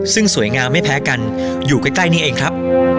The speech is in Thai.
ซึ่งสวยงามไม่แพ้กันอยู่ใกล้นี่เองครับ